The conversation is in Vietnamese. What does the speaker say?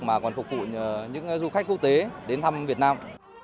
mà còn phục vụ những du khách quốc tế đến thăm việt nam